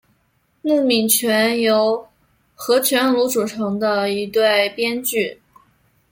木皿泉由和泉努组成的一对编剧。